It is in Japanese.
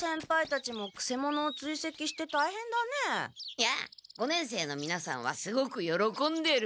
いや五年生のみなさんはすごくよろこんでる。